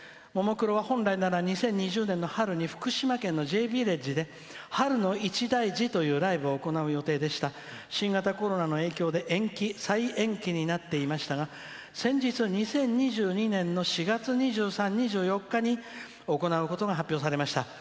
モノクロは本来なら２０２０年の春に福島のＪビレッジで「春の一大事」というライブを行う予定でした新型コロナの影響で延期、再延期になりましたが先日２０２２年の４月２３２４日に行うことが発表されました。